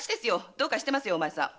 どうかしてますよお前さん。